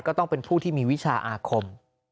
ก็ต้องเป็นผู้ที่มีวิชาอาคม